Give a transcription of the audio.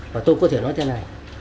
và tôi có thể nói thế này